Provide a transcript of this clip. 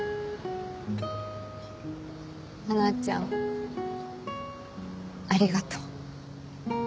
華ちゃんありがとう。